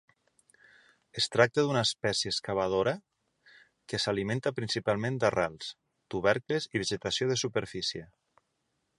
Es tracta d'una espècie excavadora que s'alimenta principalment d'arrels, tubercles i vegetació de superfície.